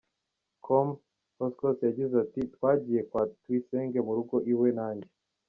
com, Poscos yagize ati twajyiye kwa Tuyisenge mu rugo iwe, nanjye.